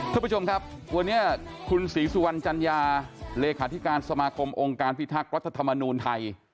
คุณผู้ชมครับวันนี้คุณศรีสุวรรณจัญญาเลขาธิการสมาคมองค์การพิทักษ์รัฐธรรมนูลไทย